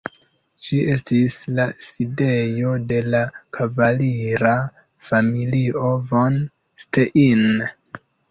Ĝi estis la sidejo de la kavalira familio von Stein.